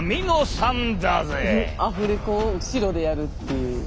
おっアフレコを後ろでやるっていう。